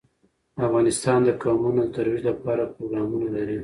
افغانستان د قومونه د ترویج لپاره پروګرامونه لري.